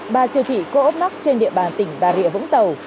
bà siêu thị có ốp nóc trên địa bàn tỉnh bà rịa vũng tàu